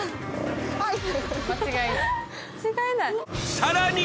さらに！